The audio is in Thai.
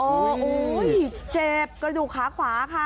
โอ้โฮโอ้โฮเจ็บกระดูกขาขวาค่ะ